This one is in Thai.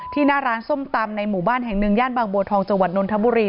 หน้าร้านส้มตำในหมู่บ้านแห่งหนึ่งย่านบางบัวทองจังหวัดนนทบุรี